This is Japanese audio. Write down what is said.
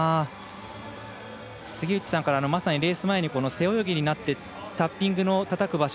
杉内さんからレース前に背泳ぎになってタッピングのたたく場所